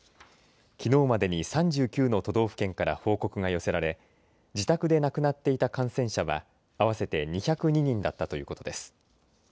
きのうまでに３９の都道府県から報告が寄せられ自宅で亡くなっていた感染者は合わせて２０２人だったということです。